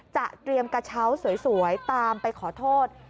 เตรียมกระเช้าสวยตามไปขอโทษ